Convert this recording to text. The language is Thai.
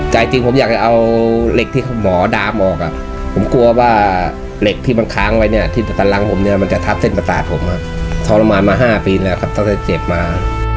ใจจริงผมอยากจะเอาเหล็กที่หมอดาบอกผมกลัวว่าเหล็กที่มันค้างไว้เนี่ยที่กำลังผมเนี่ยมันจะทับเส้นประสาทผมครับทรมานมา๕ปีแล้วครับตั้งแต่เจ็บมา